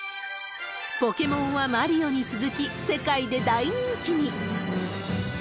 ポケモンはマリオに続き、世界で大人気に。